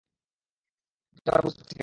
শেষ পর্যন্ত এবার বুঝতে পারছি, কেন।